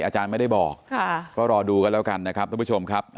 อาจารย์ไม่ได้บอกก็รอดูกันแล้วกันนะครับท่านผู้ชมครับ